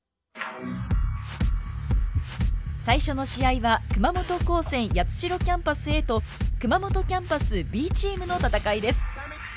最初の試合は熊本高専八代キャンパスＡと熊本キャンパスＢチームの戦いです。